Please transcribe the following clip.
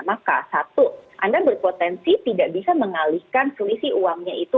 maka satu anda berpotensi tidak bisa mengalihkan selisih uangnya itu